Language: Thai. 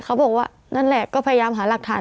เขาบอกว่านั่นแหละก็พยายามหาหลักฐาน